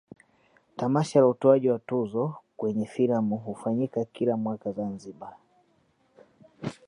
tamasha la utoaji wa tuzo kwenye filamu hufanyika kila mwaka zanzibar